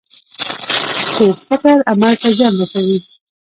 کوږ فکر عمل ته زیان رسوي